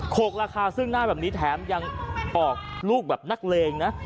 กราคาซึ่งหน้าแบบนี้แถมยังออกลูกแบบนักเลงนะ